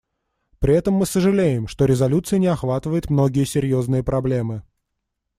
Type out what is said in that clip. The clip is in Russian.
При этом мы сожалеем, что резолюция не охватывает многие серьезные проблемы.